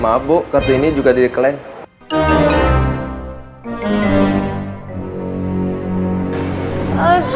maaf bu kartu ini juga di decline